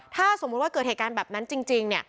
ถ้าสมมุติว่าเกิดเหตุการณ์แบบนั้นจริง